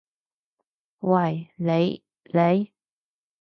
喂，你！你！